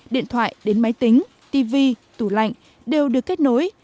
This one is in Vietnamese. điện thoại đến máy tính tv tủ lạnh đều được kết nối